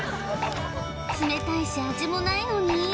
冷たいし味もないのに？